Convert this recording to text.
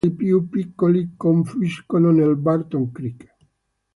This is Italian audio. A nord-est alcuni ruscelli più piccoli confluiscono nel Barton Creek.